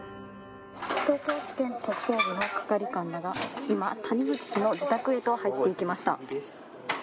東京地検特捜部の係官らが今、谷口氏の自宅へと入っていきました。